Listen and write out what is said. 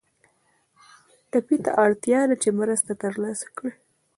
ټپي ته اړتیا ده چې مرسته تر لاسه کړي.